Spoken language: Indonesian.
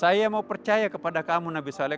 saya mau percaya kepada kamu nabi saleh